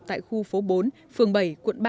tại khu phố bốn phường bảy quận ba